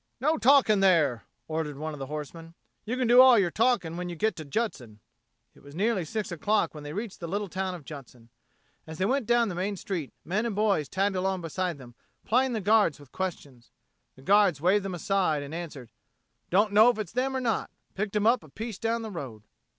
"No talking, there!" ordered one of the horsemen. "You can do all your talking when you get to Judson." It was nearly six o'clock when they reached the little town of Judson. As they went down the main street, men and boys tagged along beside them, plying the guards with questions. The guards waved them aside, and answered, "Don't know if it's them or not. Picked 'em up a piece down the road."